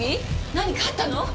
何かあったの？